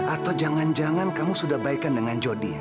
atau jangan jangan kamu sudah baikan dengan jody